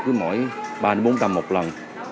cứ mỗi ba bốn trăm một lần